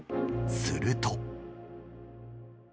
すると。